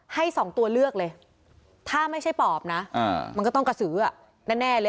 สองตัวเลือกเลยถ้าไม่ใช่ปอบนะมันก็ต้องกระสือแน่เลย